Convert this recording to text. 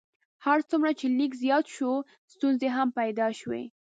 هر څومره چې لیک زیات شو ستونزې هم پیدا شوې.